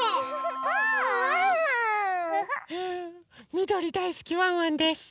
みどりだいすきワンワンです！